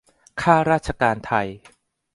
ข้าราชการไทย !